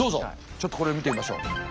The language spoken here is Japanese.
ちょっとこれ見てみましょう。